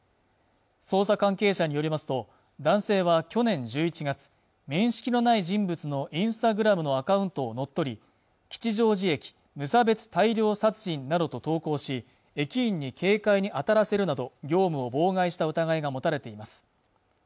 捜査関係者によりますと男性は去年１１月面識のない人物のＩｎｓｔａｇｒａｍのアカウントを乗っ取り吉祥寺駅無差別大量殺人などと投稿し駅員に警戒にあたらせるなど業務を妨害した疑いが持たれています